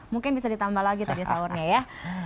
mungkin bisa ditambah lagi tadi sahurnya ya